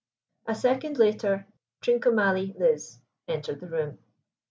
A second later Trincomalee Liz entered the room.